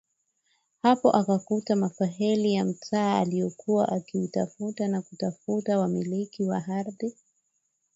Hapo akakuta mafaili ya mtaa aliokuwa akiutafuta na kutafuta wamiliki wa ardhi